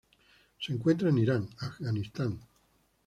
Se encuentra en Irán, Afganistán.